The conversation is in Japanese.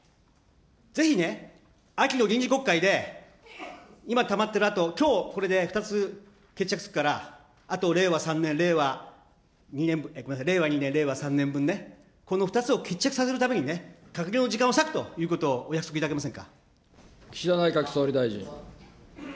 ぜひね、秋の臨時国会で、今たまってる、あと、きょうこれで２つ決着つくから、あと令和３年、ごめんなさい、令和２年、令和３年分ね、この２つを決着させるためにもね、閣僚の時間を割くということをお約束いただけませんか。